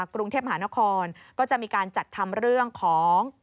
กรุงเทพมหานครก็จะมีการจัดทำเรื่องของ